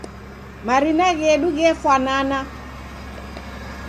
Marina ghedu ghefwanana.